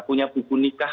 punya buku nikah